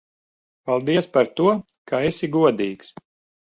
Paldies par to, ka esi godīgs.